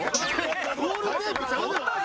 ゴールテープちゃうで！